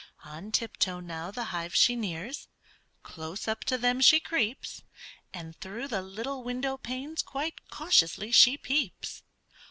On tiptoe now the hives she nears, Close up to them she creeps, And through the little window panes Quite cautiously she peeps.